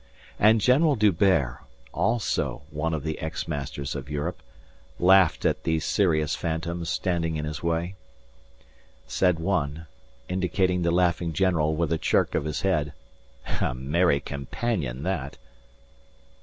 And General D'Hubert, also one of the ex masters of Europe, laughed at these serious phantoms standing in his way. Said one, indicating the laughing general with a jerk of the head: "A merry companion that."